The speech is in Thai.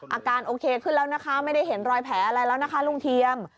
อาการโอเคขึ้นแล้วนะคะไม่ได้เห็นรอยแผลอะไรแล้วนะคะลุงเทียม